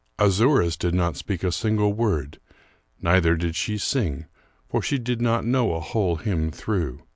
Azouras did not speak a single word; neither did she sing, for she did not know a whole hymn through.